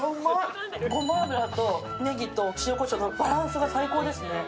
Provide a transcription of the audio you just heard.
ごま油とねぎと塩こしょうのバランスが最高ですね。